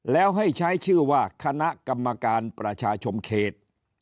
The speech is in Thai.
แล้วให้ใช้ชื่อว่าคณะกรรมการประชาชนเขต